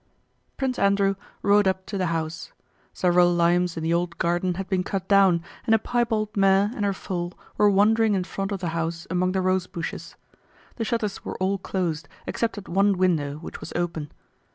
Prince Andrew rode up to the house. Several limes in the old garden had been cut down and a piebald mare and her foal were wandering in front of the house among the rosebushes. The shutters were all closed, except at one window which was open.